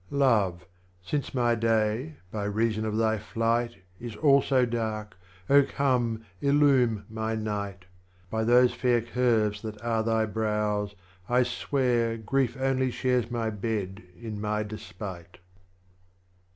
10. Love, since my Day, by reason of thy Flight Is all so dark, come, illume my Night ; By those fair Curves that are thy Brows, I swear Grief only shares my bed in my despite.